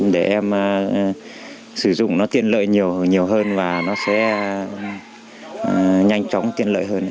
để em sử dụng nó tiện lợi nhiều nhiều hơn và nó sẽ nhanh chóng tiện lợi hơn